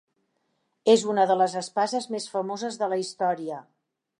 És una de les espases més famoses de la història.